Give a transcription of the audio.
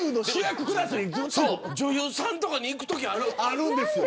女優さんとかに行くときあるんですよ。